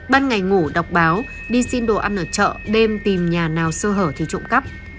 ban ngày ngủ đọc báo đi xin đồ ăn ở chợ đêm tìm nhà nào sơ hở thì trộm cắp